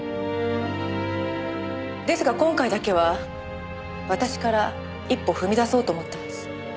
ですが今回だけは私から一歩踏み出そうと思ったんです。